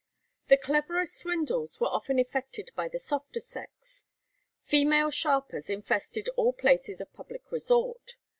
The cleverest swindles were often effected by the softer sex. Female sharpers infested all places of public resort.